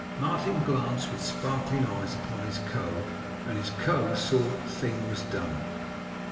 Martin glanced with sparkling eyes upon his Co., and his Co. saw that the thing was done.